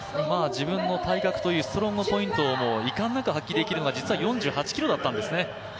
自分の体格というストロングポイントを遺憾なく発揮できるのが実は４８ｋｇだったんですね。